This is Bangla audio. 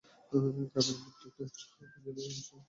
গ্রামের বিদ্যুৎ নেটওয়ার্ক জেরুজালেমের সাথে সংযুক্ত।